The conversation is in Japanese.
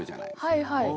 はいはい。